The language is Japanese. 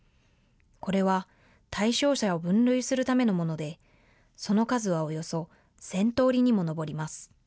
これは対象者を分類するためのもので、その数はおよそ１０００通りにも上ります。